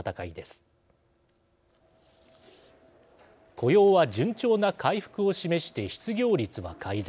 雇用は順調な回復を示して失業率は改善。